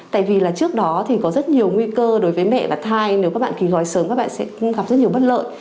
tại vì là trước đó thì có rất nhiều nguy cơ đối với mẹ và thai nếu các bạn ký gói sớm các bạn sẽ gặp rất nhiều bất lợi